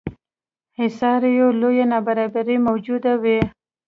احصایو لویه نابرابري موجوده وي.